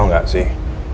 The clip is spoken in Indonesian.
kau tau gak sih